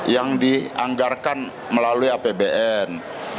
yang dianggarkan melalui apbn